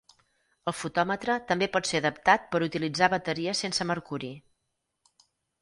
El fotòmetre també pot ser adaptat per utilitzar bateries sense mercuri.